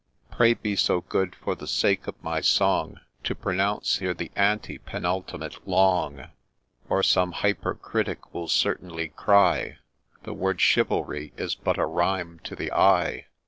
—— (Pray be so good, for the sake of my song, To pronounce here the ante penultimate long ; Or some hyper critic will certainly cry, ' The word " Chivalry " is but a rhyme to the eye.'